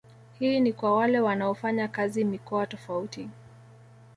Hii ni kwa wale wanaofanya kazi mikoa tofauti